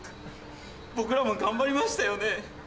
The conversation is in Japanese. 僕らも頑張りましたよね？